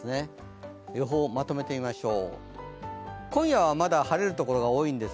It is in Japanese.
予報、まとめてみましょう。